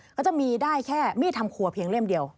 เขาจะมีได้แค่มีดทำครัวเพียงเล่มเดียว